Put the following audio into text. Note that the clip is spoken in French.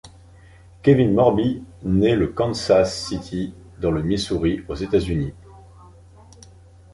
Kevin Morby nait le Kansas City dans le Missouri aux États-Unis.